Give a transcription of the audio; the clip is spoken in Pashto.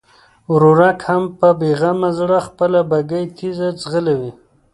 ورورک هم په بېغمه زړه خپله بګۍ تېزه ځغلوي.